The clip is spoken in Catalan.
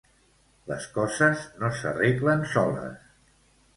Les coses no s'arreglen soles.